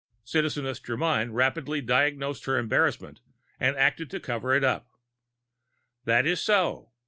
Citizeness Germyn rapidly diagnosed her embarrassment and acted to cover it up. "That is so.